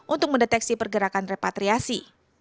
untuk mendeteksi pergerakan repatriasi